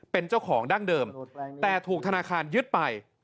เป็นเจ้าของดั้งเดิมแต่ถูกธนาคารยึดไป